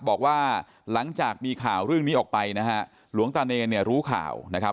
บอกว่าหลังจากมีข่าวเรื่องนี้ออกไปนะฮะหลวงตาเนรเนี่ยรู้ข่าวนะครับ